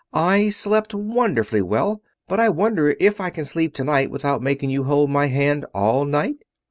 "I slept wonderfully well, but I wonder if I can sleep tonight without making you hold my hand all night?"